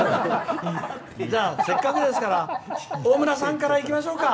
じゃあ、せっかくですから大村さんからいきましょうか。